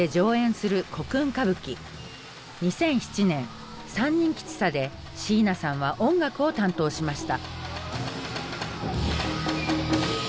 ２００７年「三人吉三」で椎名さんは音楽を担当しました。